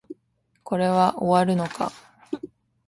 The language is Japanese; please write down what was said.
これは終わるのか